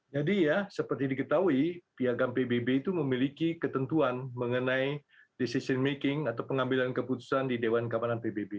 jadi ya seperti diketahui piagam pbb itu memiliki ketentuan mengenai decision making atau pengambilan keputusan di dewan keamanan pbb